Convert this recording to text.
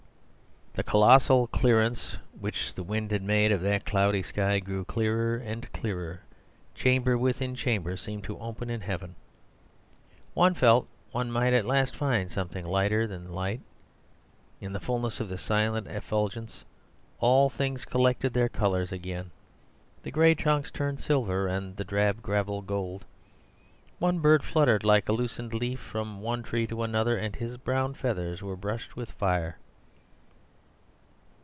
The colossal clearance which the wind had made of that cloudy sky grew clearer and clearer; chamber within chamber seemed to open in heaven. One felt one might at last find something lighter than light. In the fullness of this silent effulgence all things collected their colours again: the gray trunks turned silver, and the drab gravel gold. One bird fluttered like a loosened leaf from one tree to another, and his brown feathers were brushed with fire.